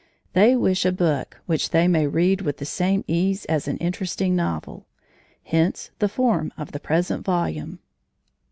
They wish a book which they may read with the same ease as an interesting novel. Hence the form of the present volume.